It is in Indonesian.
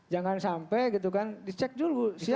jangan sampai gitu kan dicek dulu